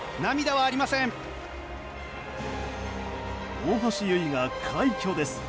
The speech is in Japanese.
大橋悠依が快挙です。